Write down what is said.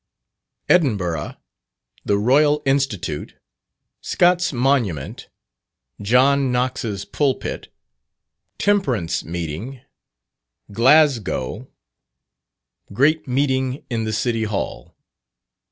_Edinburgh The Royal Institute Scott's Monument John Knox's Pulpit Temperance Meeting Glasgow Great Meeting in the City Hall.